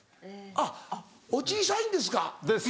あっお小さいんですか。です！